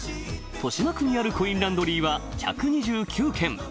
豊島区にあるコインランドリーは１２９軒